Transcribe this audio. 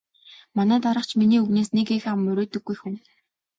Манай дарга ч миний үгнээс нэг их ам мурийдаггүй хүн.